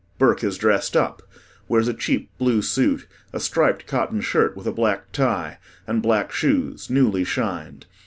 BURKE is dressed up wears a cheap blue suit, a striped cotton shirt with a black tie, and black shoes newly shined.